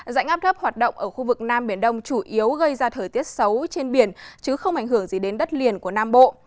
dạnh áp thấp hoạt động ở khu vực nam biển đông chủ yếu gây ra thời tiết xấu trên biển chứ không ảnh hưởng gì đến đất liền của nam bộ